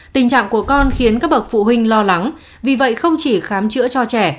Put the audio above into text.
tình trạng của con khiến các bậc phụ huynh lo lắng vì vậy không chỉ khám chữa cho trẻ